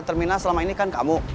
tadi udah saya kasih tau